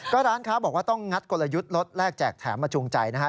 ก็ร้านค้าบอกว่าต้องงัดกลยุทธ์รถแรกแจกแถมมาจูงใจนะฮะ